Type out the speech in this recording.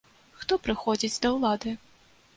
Хто прыходзіць да ўлады?